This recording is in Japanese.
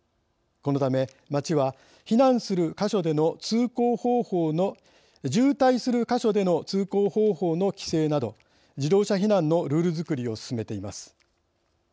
このため町は渋滞する箇所での通行方法の規制など自動車避難のルールづくりを進めています。